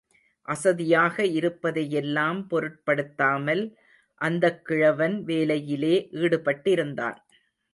அசதியாக இருப்பதையெல்லாம் பொருட்படுத்தாமல் அந்தக் கிழவன் வேலையிலே ஈடுபட்டிருந்தான்.